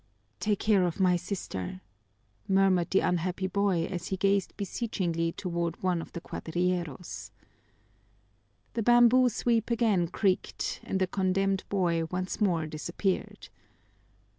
"Take care of my sister," murmured the unhappy boy as he gazed beseechingly toward one of the cuadrilleros. The bamboo sweep again creaked, and the condemned boy once more disappeared.